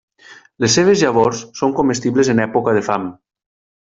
Les seves llavors són comestibles en època de fam.